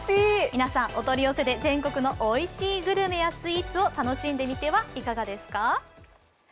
皆さん、お取り寄せで全国のおいしいグルメやスイーツも楽しんでみてはいかがですか？